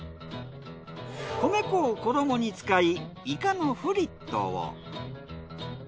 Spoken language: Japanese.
米粉を衣に使いイカのフリットを。